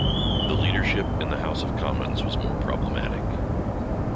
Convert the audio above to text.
The leadership in the House of Commons was more problematic.